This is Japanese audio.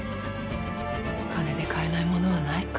お金で買えない物はないか。